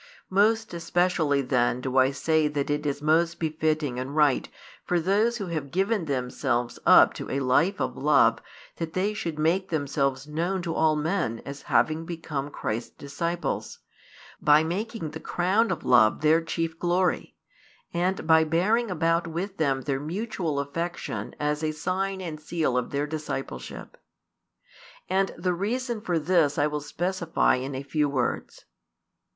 Most especially then do I say that it is most befitting and right for those who have given themselves up to a life of love that they should make themselves known to all men as having become Christ's disciples, by making the crown of love their chief glory, and by bearing about with them their mutual affection as a sign and seal of their discipleship. And the reason for this I will specify in a few words.